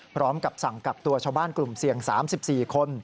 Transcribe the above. พร้อมกับสั่งกักตัวชาวบ้านกลุ่มเสี่ยง๓๔คน